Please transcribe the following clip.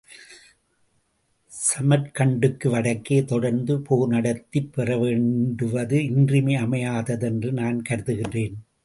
சாமர்க்ண்டுக்கும் வடக்கே தொடர்ந்து போர் நடத்திப் பெற வேண்டுவது இன்றியமையாததென்று நான் கருதுகிறேன்.